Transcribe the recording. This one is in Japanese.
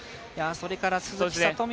それから、鈴木聡美